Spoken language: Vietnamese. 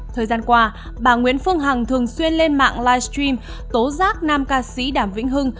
thời gian qua bà nguyễn phương hằng thường xuyên lên mạng livestream tố giác nam ca sĩ đàm vĩnh hưng